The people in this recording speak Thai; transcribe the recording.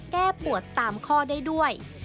แก้ปวดตามข้อได้ด้วย